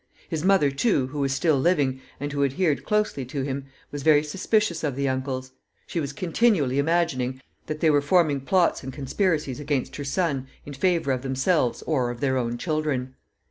His mother, too, who was still living, and who adhered closely to him, was very suspicious of the uncles. She was continually imagining that they were forming plots and conspiracies against her son in favor of themselves or of their own children.